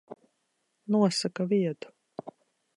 Nosaka vietu.